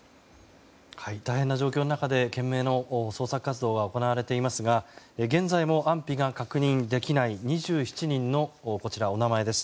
大変な状況の中で懸命な捜索活動が行われていますが現在も安否が確認できない２７人のお名前です。